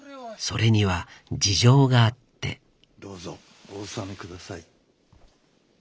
それには事情があってどうぞお納めください。